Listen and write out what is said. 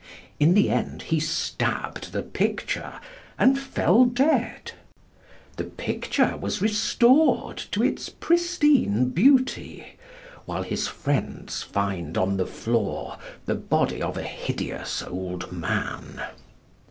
In the end he stabbed the picture and fell dead. The picture was restored to its pristine beauty, while his friends find on the floor the body of a hideous old man.